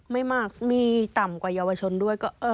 ไม่มากมีต่ำกว่าเยาวชนด้วย